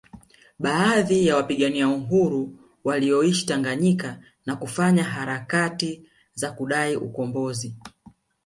Baadhi ya wapigania uhuru walioishi Tanganyika na kufanya harakati za kudai ukumbozi